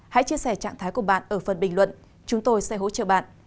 hãy chia sẻ trạng thái của bạn ở phần bình luận chúng tôi sẽ hỗ trợ bạn